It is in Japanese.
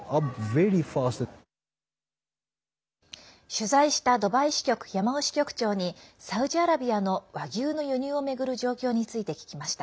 取材したドバイ支局山尾支局長にサウジアラビアの和牛の輸入を巡る状況について聞きました。